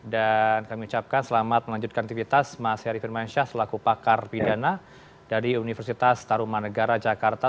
dan kami ucapkan selamat melanjutkan aktivitas mas heri firmansyah selaku pakar pidana dari universitas taruman negara jakarta